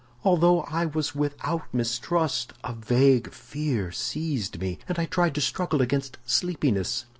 Although I was without mistrust, a vague fear seized me, and I tried to struggle against sleepiness.